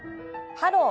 「ハロー！